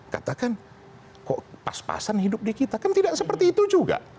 katakan kok pas pasan hidup di kita kan tidak seperti itu juga